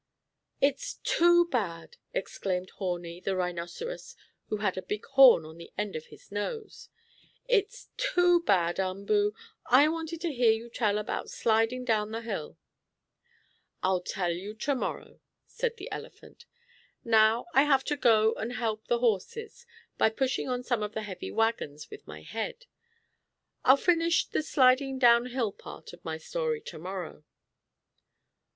"It's too bad!" exclaimed Horni, the rhinoceros, who had a big horn on the end of his nose. "It's too bad, Umboo! I wanted to hear you tell about sliding down hill." "I'll tell you tomorrow," said the elephant. "Now I have to go and help the horses, by pushing on some of the heavy wagons with my head. I'll finish the sliding down hill part of my story tomorrow."